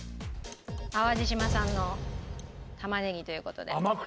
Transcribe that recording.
淡路島産の玉ねぎという事で。